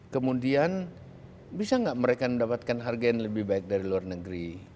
kemudian bisa nggak mereka mendapatkan harga yang lebih baik dari luar negeri